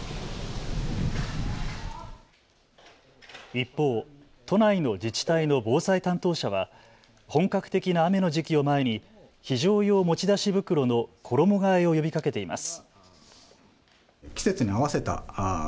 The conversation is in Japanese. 一方、都内の自治体の防災担当者は本格的な雨の時期を前に非常用持ち出し袋の衣がえを呼びかけています。